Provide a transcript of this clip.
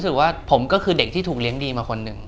ผมรู้สึกว่าผมก็คือเด็กถูกเลี้ยงดีคนหนึ่ง